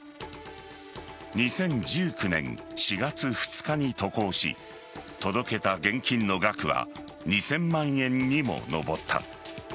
２０１９年４月２日に渡航し届けた現金の額は２０００万円にも上った。